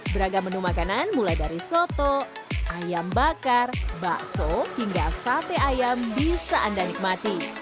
beragam menu makanan mulai dari soto ayam bakar bakso hingga sate ayam bisa anda nikmati